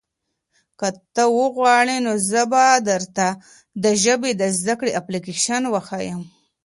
که ته وغواړې نو زه به درته د ژبې د زده کړې اپلیکیشن وښیم.